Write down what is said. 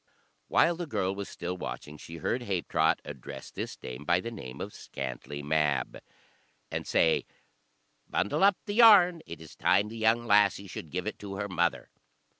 While the girl was still watching, she heard Habetrot address this dame by the name of Scantlie Mab, and say, "Bundle up the yarn, it is time the young lassie should give it to her mother."